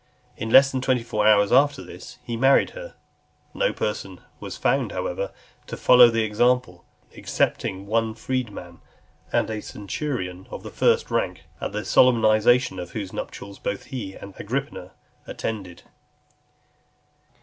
In less than twenty four hours after this, he married her . No person was found, however, to follow the example, excepting one freedman, and a centurion of the first rank, at the solemnization of whose nuptials both he and Agrippina attended.